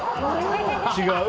違う？